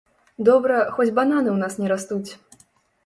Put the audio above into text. Добра, хоць бананы ў нас не растуць!